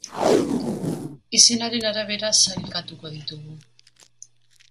Izenaren arabera sailkatuko ditugu.